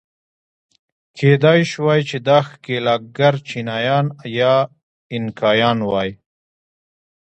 کېدای شوای چې دا ښکېلاکګر چینایان یا اینکایان وای.